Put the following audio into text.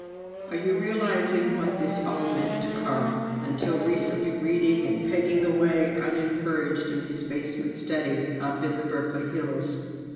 Are you realizing what this all meant to my Carl until recently reading and pegging away unencouraged in his basement study up on the Berkeley hills?